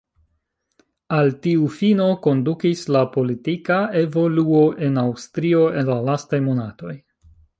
Al tiu fino kondukis la politika evoluo en Aŭstrio en la lastaj monatoj.